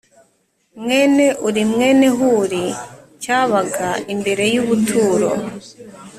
Mwene uri mwene huri cyabaga imbere y ubuturo